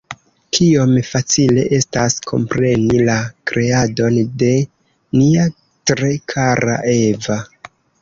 Kiom facile estas kompreni la kreadon de nia tre kara Eva!